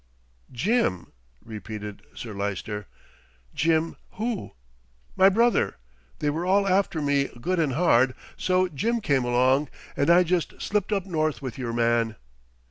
"Jim!" repeated Sir Lyster, "Jim who?" "My brother. They were all after me good and hard, so Jim came along, and I just slipped up north with your man."